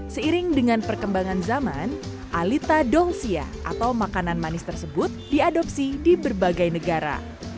seiring dengan perkembangan zaman alita dongsia atau makanan manis tersebut diadopsi di berbagai negara